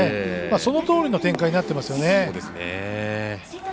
そのとおりの展開になっていますよね。